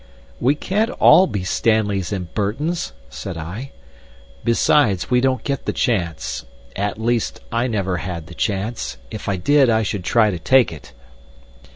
"We can't all be Stanleys and Burtons," said I; "besides, we don't get the chance, at least, I never had the chance. If I did, I should try to take it."